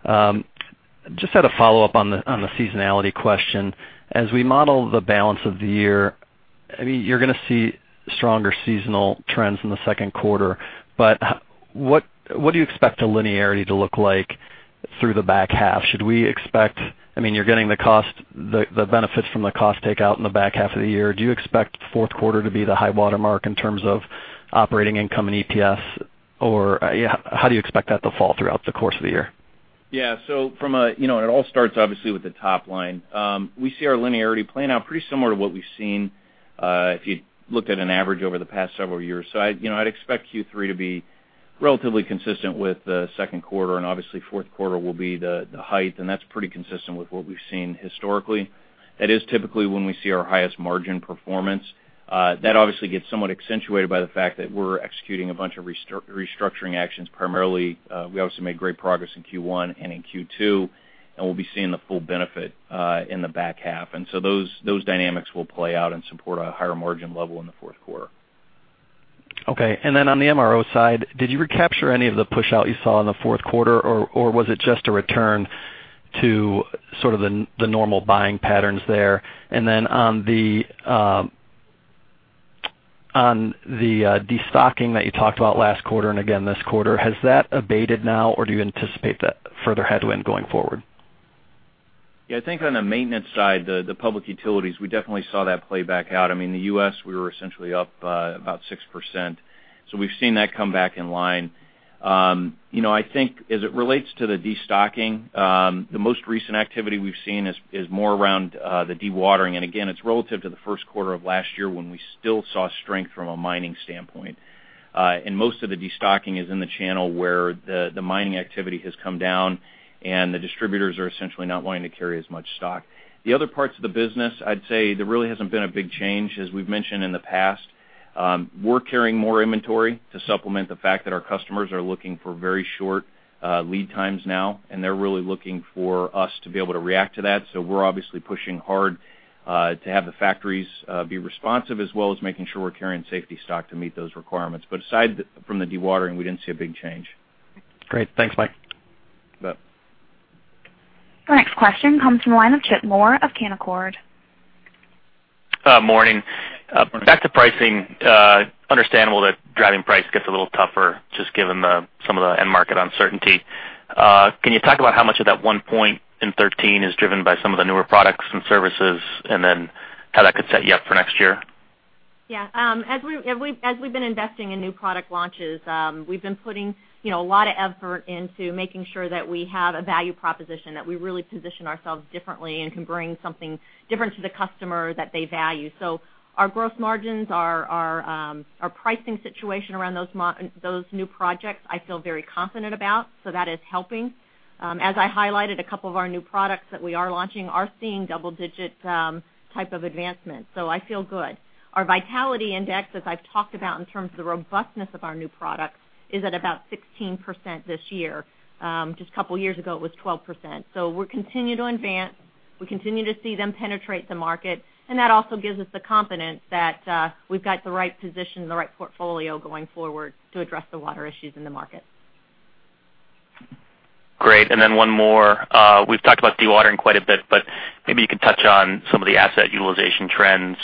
Had a follow-up on the seasonality question. As we model the balance of the year, you're going to see stronger seasonal trends in the second quarter, what do you expect the linearity to look like through the back half? You're getting the benefits from the cost takeout in the back half of the year. Do you expect the fourth quarter to be the high water mark in terms of operating income and EPS? How do you expect that to fall throughout the course of the year? Yeah. It all starts, obviously, with the top line. We see our linearity playing out pretty similar to what we've seen, if you looked at an average over the past several years. I'd expect Q3 to be relatively consistent with the second quarter. Obviously, fourth quarter will be the height, and that's pretty consistent with what we've seen historically. That is typically when we see our highest margin performance. That obviously gets somewhat accentuated by the fact that we're executing a bunch of restructuring actions, primarily. We obviously made great progress in Q1 and in Q2, and we'll be seeing the full benefit in the back half. Those dynamics will play out and support a higher margin level in the fourth quarter. Okay. On the MRO side, did you recapture any of the push-out you saw in the fourth quarter, or was it just a return to sort of the normal buying patterns there? On the de-stocking that you talked about last quarter and again this quarter, has that abated now, or do you anticipate that further headwind going forward? I think on the maintenance side, the public utilities, we definitely saw that play back out. In the U.S., we were essentially up about 6%. We've seen that come back in line. I think as it relates to the de-stocking, the most recent activity we've seen is more around the dewatering. Again, it's relative to the first quarter of last year when we still saw strength from a mining standpoint. Most of the de-stocking is in the channel where the mining activity has come down and the distributors are essentially not wanting to carry as much stock. The other parts of the business, I'd say there really hasn't been a big change. As we've mentioned in the past, we're carrying more inventory to supplement the fact that our customers are looking for very short lead times now. They're really looking for us to be able to react to that. We're obviously pushing hard to have the factories be responsive, as well as making sure we're carrying safety stock to meet those requirements. Aside from the dewatering, we didn't see a big change. Great. Thanks, Mike. You bet. Our next question comes from the line of Chip Moore of Canaccord. Morning. Morning. Back to pricing. Understandable that driving price gets a little tougher, just given some of the end market uncertainty. Can you talk about how much of that one point in 13 is driven by some of the newer products and services, and then how that could set you up for next year? Yeah. As we've been investing in new product launches, we've been putting a lot of effort into making sure that we have a value proposition, that we really position ourselves differently and can bring something different to the customer that they value. Our growth margins, our pricing situation around those new projects, I feel very confident about. That is helping. As I highlighted, a couple of our new products that we are launching are seeing double-digit type of advancement. I feel good. Our vitality index, as I've talked about in terms of the robustness of our new products, is at about 16% this year. Just a couple of years ago, it was 12%. We continue to advance. We continue to see them penetrate the market, and that also gives us the confidence that we've got the right position and the right portfolio going forward to address the water issues in the market. Great. One more. We've talked about dewatering quite a bit, but maybe you could touch on some of the asset utilization trends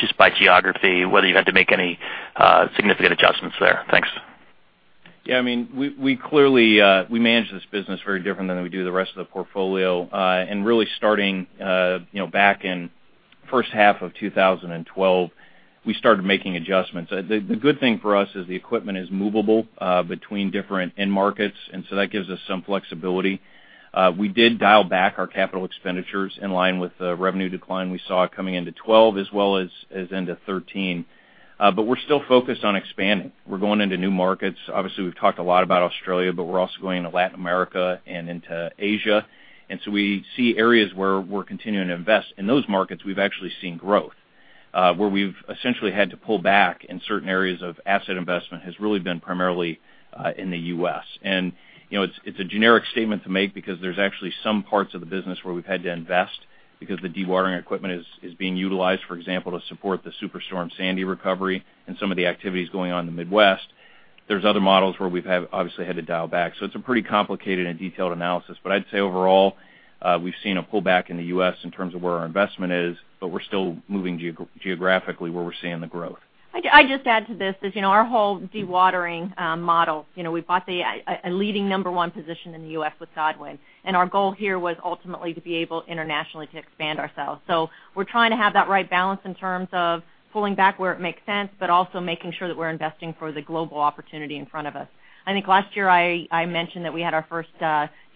just by geography, whether you had to make any significant adjustments there. Thanks. Yeah. We manage this business very different than we do the rest of the portfolio. Really starting back in first half of 2012, we started making adjustments. The good thing for us is the equipment is movable between different end markets, and so that gives us some flexibility. We did dial back our capital expenditures in line with the revenue decline we saw coming into 2012 as well as into 2013. We're still focused on expanding. We're going into new markets. Obviously, we've talked a lot about Australia, but we're also going to Latin America and into Asia. We see areas where we're continuing to invest. In those markets, we've actually seen growth. Where we've essentially had to pull back in certain areas of asset investment has really been primarily in the U.S. It's a generic statement to make because there's actually some parts of the business where we've had to invest because the dewatering equipment is being utilized, for example, to support the Superstorm Sandy recovery and some of the activities going on in the Midwest. There's other models where we've obviously had to dial back. It's a pretty complicated and detailed analysis. I'd say overall, we've seen a pullback in the U.S. in terms of where our investment is, but we're still moving geographically where we're seeing the growth. I just add to this, is our whole dewatering model. We bought a leading number 1 position in the U.S. with Godwin, and our goal here was ultimately to be able internationally to expand ourselves. We're trying to have that right balance in terms of pulling back where it makes sense, but also making sure that we're investing for the global opportunity in front of us. I think last year, I mentioned that we had our first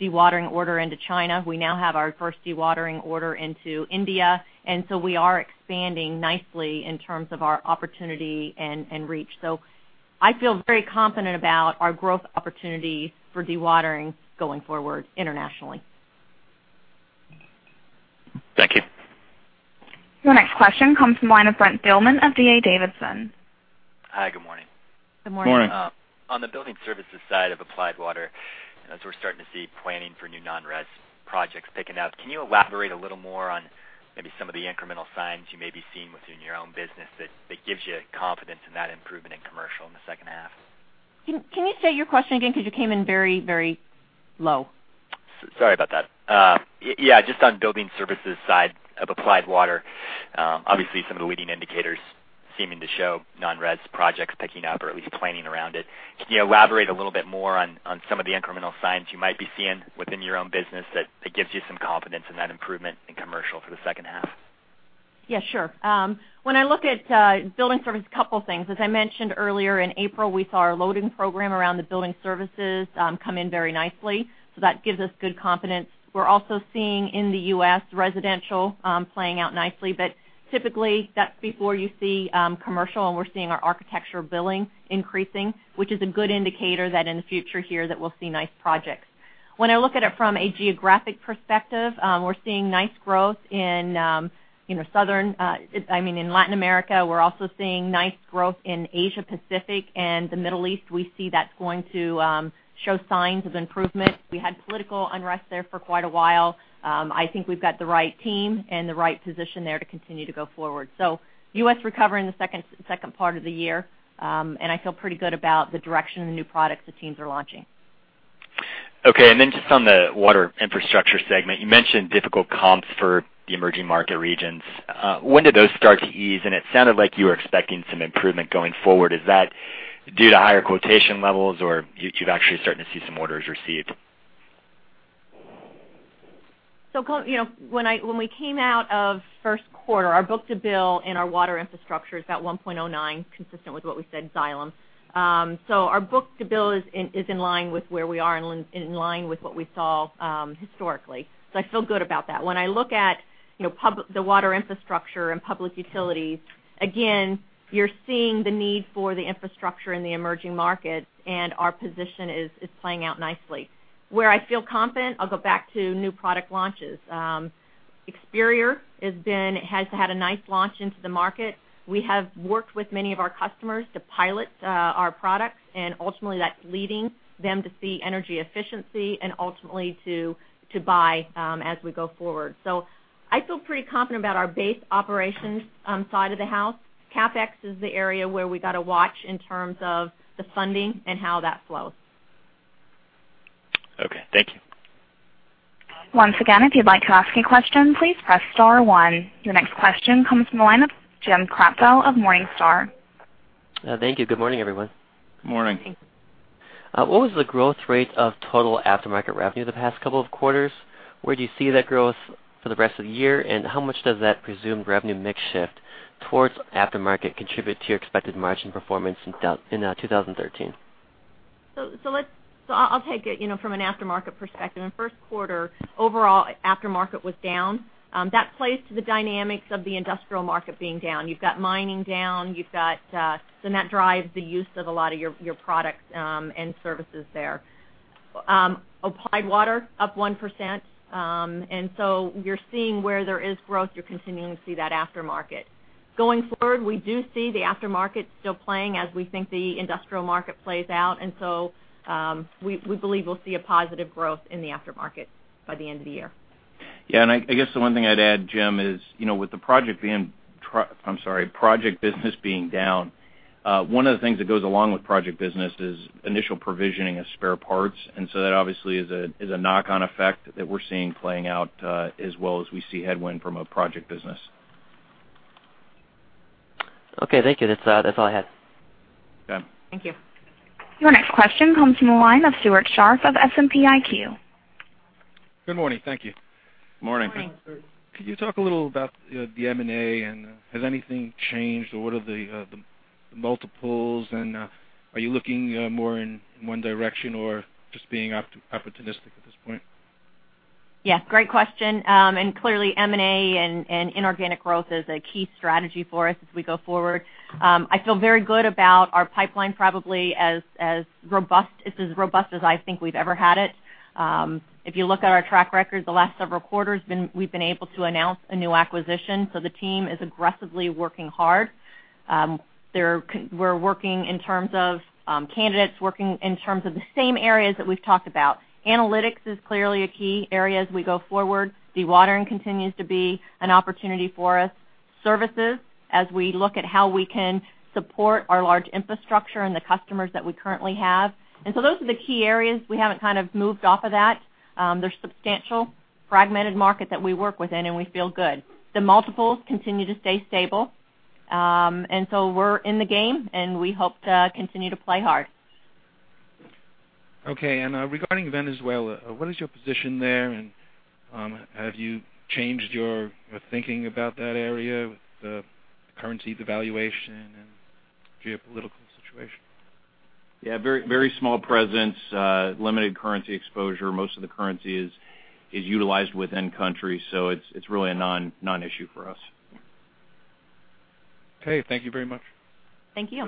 dewatering order into China. We now have our first dewatering order into India, so we are expanding nicely in terms of our opportunity and reach. I feel very confident about our growth opportunity for dewatering going forward internationally. Thank you. Your next question comes from the line of Brent Thielman of D.A. Davidson. Hi, good morning. Good morning. Morning. On the building services side of Applied Water, as we're starting to see planning for new non-res projects picking up, can you elaborate a little more on maybe some of the incremental signs you may be seeing within your own business that gives you confidence in that improvement in commercial in the second half? Can you say your question again because you came in very low? Sorry about that. Just on building services side of Applied Water. Obviously, some of the leading indicators seeming to show non-res projects picking up or at least planning around it. Can you elaborate a little bit more on some of the incremental signs you might be seeing within your own business that gives you some confidence in that improvement in commercial for the second half? Sure. When I look at building service, couple things. As I mentioned earlier in April, we saw our loading program around the building services come in very nicely. That gives us good confidence. We're also seeing in the U.S. residential playing out nicely, but typically that's before you see commercial and we're seeing our Architecture Billing increasing, which is a good indicator that in the future here that we'll see nice projects. When I look at it from a geographic perspective, we're seeing nice growth in Latin America. We're also seeing nice growth in Asia Pacific and the Middle East. We see that's going to show signs of improvement. We had political unrest there for quite a while. I think we've got the right team and the right position there to continue to go forward. U.S. recover in the second part of the year. I feel pretty good about the direction of the new products the teams are launching. Okay. Just on the Water Infrastructure segment, you mentioned difficult comps for the emerging market regions. When do those start to ease? It sounded like you were expecting some improvement going forward. Is that due to higher quotation levels or you've actually starting to see some orders received? When we came out of first quarter, our book-to-bill in our Water Infrastructure is about 1.09, consistent with what we said Xylem. Our book-to-bill is in line with where we are and in line with what we saw historically. I feel good about that. When I look at the Water Infrastructure and public utilities, again, you're seeing the need for the infrastructure in the emerging markets, and our position is playing out nicely. Where I feel confident, I'll go back to new product launches. Flygt Experior has had a nice launch into the market. We have worked with many of our customers to pilot our products and ultimately that's leading them to see energy efficiency and ultimately to buy as we go forward. I feel pretty confident about our base operations side of the house. CapEx is the area where we got to watch in terms of the funding and how that flows. Okay. Thank you. Once again, if you'd like to ask a question, please press star one. Your next question comes from the line of Jim Kratochvil of Morningstar. Thank you. Good morning, everyone. Morning. Morning. What was the growth rate of total aftermarket revenue the past couple of quarters? Where do you see that growth for the rest of the year? How much does that presumed revenue mix shift towards aftermarket contribute to your expected margin performance in 2013? I'll take it from an aftermarket perspective. In first quarter, overall aftermarket was down. That plays to the dynamics of the industrial market being down. You've got mining down, and that drives the use of a lot of your products and services there. Applied Water, up 1%. You're seeing where there is growth, you're continuing to see that aftermarket. Going forward, we do see the aftermarket still playing as we think the industrial market plays out. We believe we'll see a positive growth in the aftermarket by the end of the year. Yeah, I guess the one thing I'd add, Jim, is with the project business being down, one of the things that goes along with project business is initial provisioning of spare parts. That obviously is a knock-on effect that we're seeing playing out, as well as we see headwind from a project business. Okay, thank you. That's all I had. Okay. Thank you. Your next question comes from the line of Stuart Scharf of S&P IQ. Good morning. Thank you. Morning. Morning, Stuart. Could you talk a little about the M&A and has anything changed or what are the multiples and are you looking more in one direction or just being opportunistic at this point? Yeah, great question. Clearly M&A and inorganic growth is a key strategy for us as we go forward. I feel very good about our pipeline probably it's as robust as I think we've ever had it. If you look at our track record, the last several quarters we've been able to announce a new acquisition, the team is aggressively working hard. We're working in terms of candidates, working in terms of the same areas that we've talked about. Analytics is clearly a key area as we go forward. Dewatering continues to be an opportunity for us. Services, as we look at how we can support our large infrastructure and the customers that we currently have. Those are the key areas. We haven't moved off of that. They're a substantial fragmented market that we work within, and we feel good. The multiples continue to stay stable. We're in the game, and we hope to continue to play hard. Okay. Regarding Venezuela, what is your position there? Have you changed your thinking about that area with the currency devaluation and geopolitical situation? Yeah, very small presence, limited currency exposure. Most of the currency is utilized within country, so it's really a non-issue for us. Okay, thank you very much. Thank you.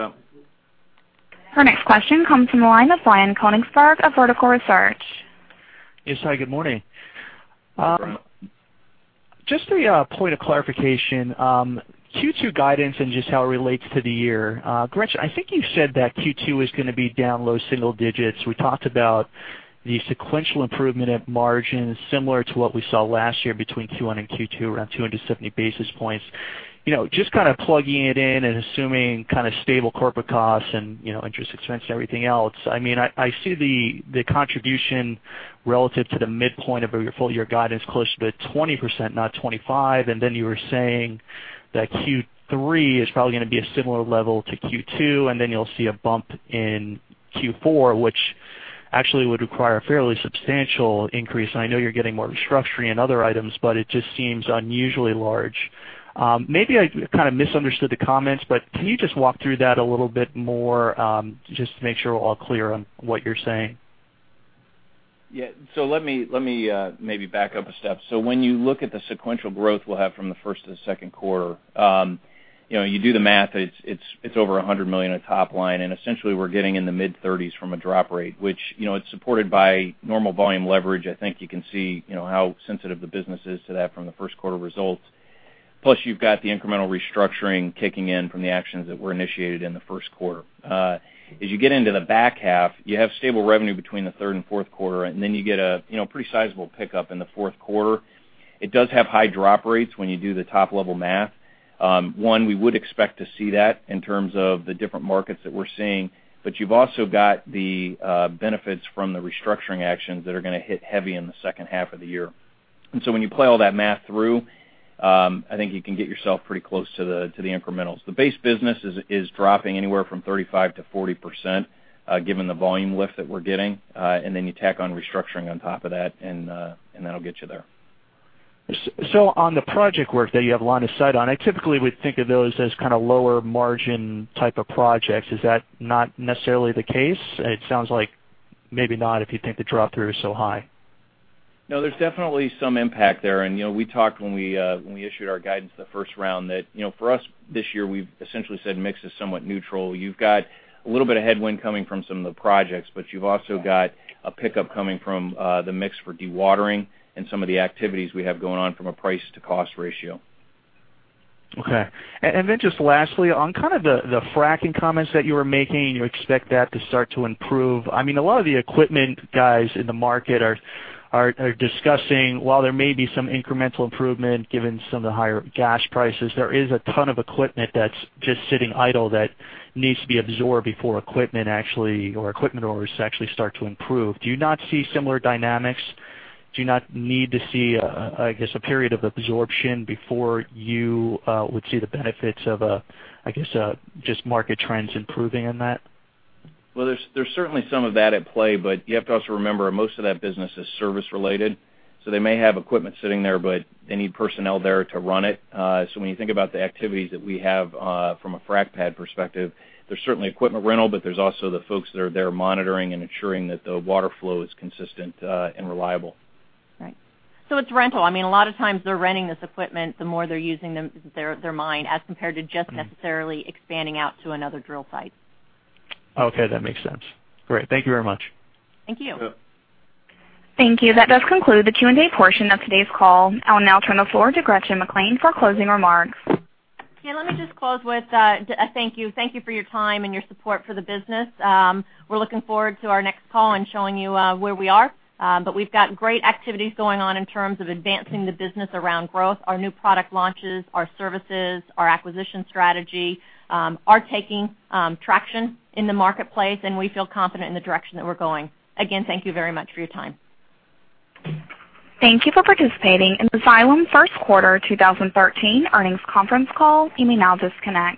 Yeah. Our next question comes from the line of Brian Konigsberg of Vertical Research. Yes, hi, good morning. Just a point of clarification, Q2 guidance and just how it relates to the year. Gretchen, I think you said that Q2 is gonna be down low single digits. We talked about the sequential improvement of margins similar to what we saw last year between Q1 and Q2, around 270 basis points. Just plugging it in and assuming stable corporate costs and interest expense and everything else, I see the contribution relative to the midpoint of your full-year guidance closer to 20%, not 25%. You were saying that Q3 is probably gonna be a similar level to Q2, and then you'll see a bump in Q4, which actually would require a fairly substantial increase. I know you're getting more restructuring and other items, but it just seems unusually large. Maybe I kind of misunderstood the comments, can you just walk through that a little bit more, just to make sure we're all clear on what you're saying? Yeah. Let me maybe back up a step. When you look at the sequential growth we'll have from the first to the second quarter, you do the math, it's over $100 million of top line, and essentially we're getting in the mid-30s% from a drop rate, which it's supported by normal volume leverage. I think you can see how sensitive the business is to that from the first quarter results. Plus, you've got the incremental restructuring kicking in from the actions that were initiated in the first quarter. As you get into the back half, you have stable revenue between the third and fourth quarter, you get a pretty sizable pickup in the fourth quarter. It does have high drop rates when you do the top-level math. We would expect to see that in terms of the different markets that we're seeing, you've also got the benefits from the restructuring actions that are gonna hit heavy in the second half of the year. When you play all that math through, I think you can get yourself pretty close to the incrementals. The base business is dropping anywhere from 35%-40% given the volume lift that we're getting, you tack on restructuring on top of that'll get you there. On the project work that you have line of sight on, I typically would think of those as kind of lower margin type of projects. Is that not necessarily the case? It sounds like maybe not, if you think the drop-through is so high. No, there's definitely some impact there. We talked when we issued our guidance the first round that for us this year, we've essentially said mix is somewhat neutral. You've got a little bit of headwind coming from some of the projects, you've also got a pickup coming from the mix for dewatering and some of the activities we have going on from a price-to-cost ratio. Okay. Just lastly, on kind of the fracking comments that you were making, you expect that to start to improve. A lot of the equipment guys in the market are discussing, while there may be some incremental improvement given some of the higher gas prices, there is a ton of equipment that's just sitting idle that needs to be absorbed before equipment orders actually start to improve. Do you not see similar dynamics? Do you not need to see, I guess, a period of absorption before you would see the benefits of just market trends improving in that? There's certainly some of that at play, but you have to also remember, most of that business is service-related. They may have equipment sitting there, but they need personnel there to run it. When you think about the activities that we have from a frack pad perspective, there's certainly equipment rental, but there's also the folks that are there monitoring and ensuring that the water flow is consistent and reliable. Right. It's rental. A lot of times they're renting this equipment the more they're using their mine as compared to just necessarily expanding out to another drill site. Okay, that makes sense. Great. Thank you very much. Thank you. Yeah. Thank you. That does conclude the Q&A portion of today's call. I will now turn the floor to Gretchen McClain for closing remarks. Yeah, let me just close with a thank you. Thank you for your time and your support for the business. We're looking forward to our next call and showing you where we are. We've got great activities going on in terms of advancing the business around growth. Our new product launches, our services, our acquisition strategy are taking traction in the marketplace, and we feel confident in the direction that we're going. Again, thank you very much for your time. Thank you for participating in the Xylem First Quarter 2013 Earnings Conference Call. You may now disconnect.